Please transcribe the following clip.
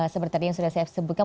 seperti tadi yang sudah saya sebutkan